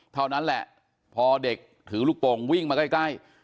เท่านั้นแหละพอเด็กถือลูกโป่งวิ่งมาใกล้